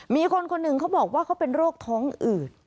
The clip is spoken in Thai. มีคนคนหนึ่งเขาบอกว่าเขาเป็นโรคท้องอืด